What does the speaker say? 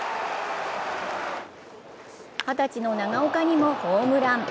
２０歳の長岡にもホームラン。